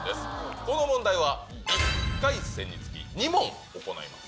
この問題は１回戦につき、２問行います。